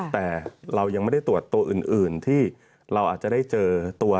แต่เรายังไม่ได้ตรวจตัวอื่นที่เราอาจจะได้เจอตัว